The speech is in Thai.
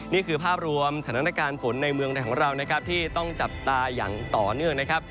นี่คือภาพรวมสถานการณ์ฝนในเมืองไทยของเรานะครับที่ต้องจับตาอย่างต่อเนื่องนะครับ